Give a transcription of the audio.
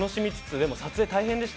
でも撮影、大変でした。